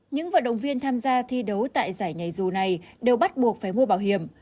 những vận động viên tham gia thi đấu tại giải nhảy dù này đều bắt buộc phải mua bảo hiểm